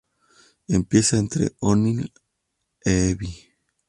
Empieza entre Onil e Ibi.